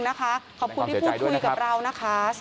อีกครั้งหนึ่งนะคะขอบคุณที่พูดคุยกับเรานะคะสวัสดีค่ะ